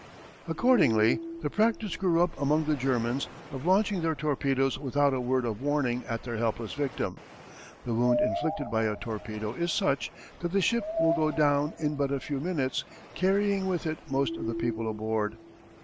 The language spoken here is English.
Accordingly the practice grew up among the Germans of launching their torpedoes without a word of warning at their helpless victim. The wound inflicted by a torpedo is such that the ship will go down in but a few minutes carrying with it most of the people aboard.